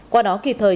qua đó kịp thời